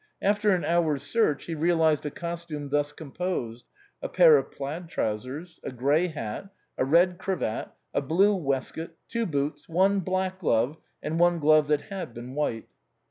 After an hour's search, he realized a costume thus composed : A pair of plaid trousers, a gray hat, a red cravat, a blue waistcoat, two boots, one black glove, and one glove that had heen white.